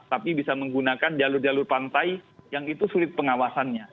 tapi bisa menggunakan jalur jalur pantai yang itu sulit pengawasannya